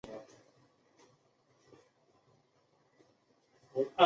有子魏朝琮。